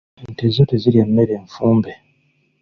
Ente zo tezirya mmere nfumbe.